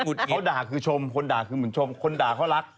คุณเขาด่าคือชมคนด่าคือเหมือนชมคนด่าเขารัก